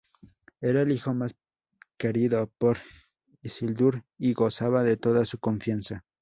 Era el hijo más querido por Isildur y gozaba de toda su confianza.